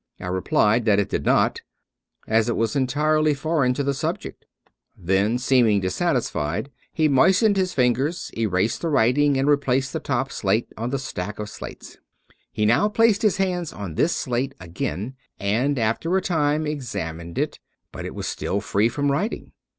I replied that it did not, as it was entirely for eign to the subject. Then seeming dissatisfied, he mois tened his fingers, erased the writing, and replaced the top slate on the stack of slates. He now placed his hands on this slate again, and after a time examined it ; but it was still free from writing.